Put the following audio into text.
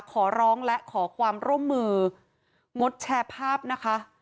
ขอร้องและขอความร่วมมืองดแชร์ภาพนะคะ